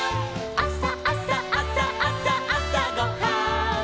「あさあさあさあさあさごはん」